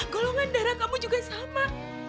golongan darah kamu juga sama